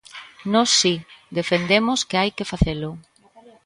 Nós si, defendemos que hai que facelo.